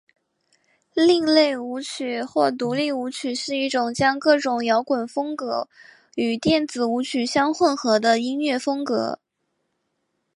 另类舞曲或独立舞曲是一种将各种摇滚风格与电子舞曲相混合的音乐风格。